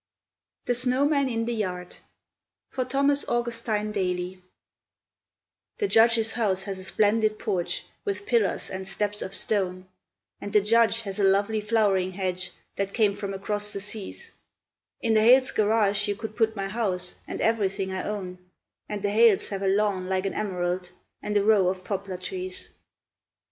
The Snowman in the Yard (For Thomas Augustine Daly) The Judge's house has a splendid porch, with pillars and steps of stone, And the Judge has a lovely flowering hedge that came from across the seas; In the Hales' garage you could put my house and everything I own, And the Hales have a lawn like an emerald and a row of poplar trees.